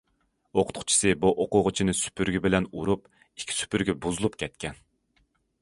ئوقۇتقۇچىسى بۇ ئوقۇغۇچىنى سۈپۈرگە بىلەن ئۇرۇپ، ئىككى سۈپۈرگە بۇزۇلۇپ كەتكەن.